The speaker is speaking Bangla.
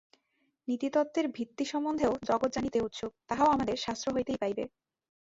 নীতিতত্ত্বের ভিত্তি সম্বন্ধেও জগৎ জানিতে উৎসুক, তাহাও আমাদের শাস্ত্র হইতেই পাইবে।